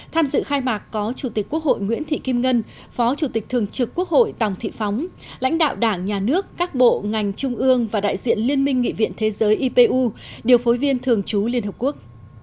tham dự khai mạc có chủ tịch quốc hội nguyễn thị kim ngân phó chủ tịch thường trực quốc hội tòng thị phóng lãnh đạo đảng nhà nước các bộ ngành trung ương và đại diện liên minh nghị viện thế giới ipu điều phối viên thường trú liên hợp quốc